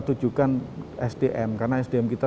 tujukan sdm karena sdm kita